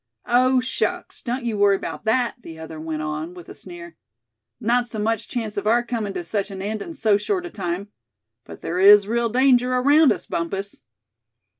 "Oh! shucks! don't you worry about that," the other went on, with a sneer. "Not so much chance of our comin' to such an end in so short a time. But there is real danger around us, Bumpus."